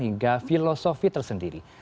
hingga filosofi tersendiri